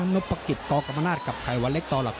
มนุภกิตกกรรมนาฏกับไขวะเล็กตหลัก๒